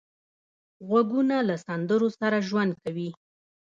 غوږونه له سندرو سره ژوند کوي